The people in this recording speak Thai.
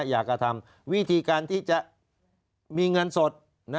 อยากกระทำวิธีการที่จะมีเงินสด